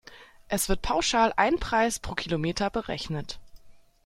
Es wird pauschal ein Preis pro Kilometer berechnet.